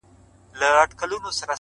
هره موخه تمرکز غواړي!